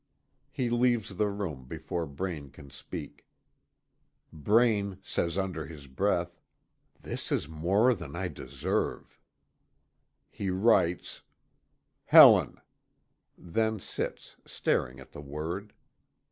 He leaves the room before Braine can speak. Braine says under his breath: "This is more than I deserve." He writes: "Helen:" then sits staring at the word.